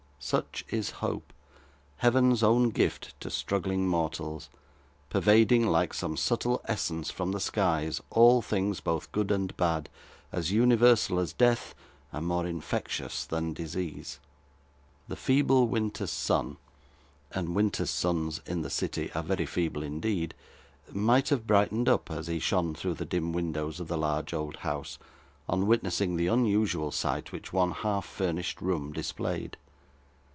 Such is hope, Heaven's own gift to struggling mortals; pervading, like some subtle essence from the skies, all things, both good and bad; as universal as death, and more infectious than disease! The feeble winter's sun and winter's suns in the city are very feeble indeed might have brightened up, as he shone through the dim windows of the large old house, on witnessing the unusual sight which one half furnished room displayed.